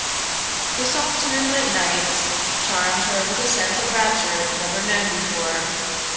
The soft moonlight nights charmed her with a sense of rapture never known before.